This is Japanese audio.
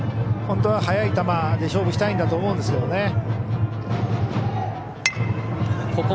本当は速い球で勝負したいと思うんですけどね。